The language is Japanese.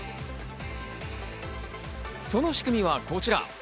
その仕組みはこちら。